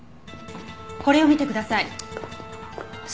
これを見てください。